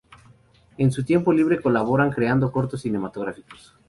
En su tiempo libre colaboran creando cortos cinematográficos.